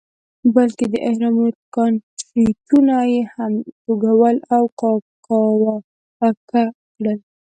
بلکې د اهرامونو کانکریټونه یې هم توږل او کاواکه کړل.